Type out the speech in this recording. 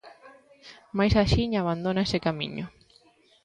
Mais axiña abandona ese camiño.